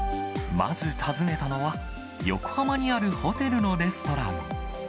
まず訪ねたのは、横浜にあるホテルのレストラン。